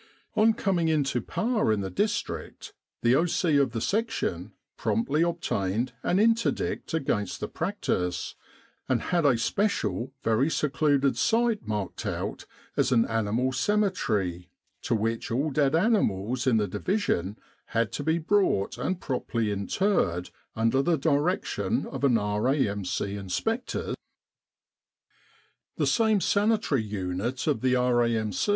On coming into power in the district, the O.C. of the section promptly i6f With the R.A.M.C. in Egypt obtained an interdict against the practice, and had a special very secluded site marked out as an Animal Cemetery, to which all dead animals in the Division had to be brought and properly interred under the direction of an R.A.M.C. inspector. The same Sanitary unit of the R.A.M.